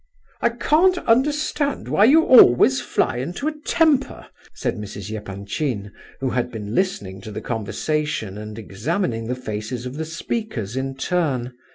"I can't understand why you always fly into a temper," said Mrs. Epanchin, who had been listening to the conversation and examining the faces of the speakers in turn.